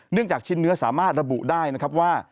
จากชิ้นเนื้อสามารถระบุได้นะครับว่า